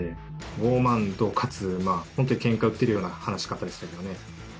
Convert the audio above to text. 傲慢かつ、本当にけんかを売ってるような話し方でしたけどね。